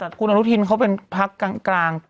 แต่คุณอนุทินเขาเป็นพักกลาง